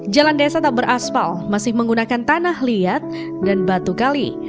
jalan desa tak beraspal masih menggunakan tanah liat dan batu kali